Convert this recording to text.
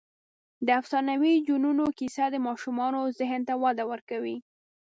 د افسانوي جنونو کیسه د ماشومانو ذهن ته وده ورکوي.